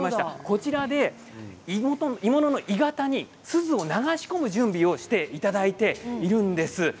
こちらで鋳物の鋳型にすずを流し込む準備をしていただいているんです。